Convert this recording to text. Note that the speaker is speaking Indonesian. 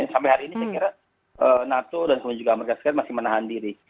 sampai hari ini saya kira nato dan kemudian juga amerika serikat masih menahan diri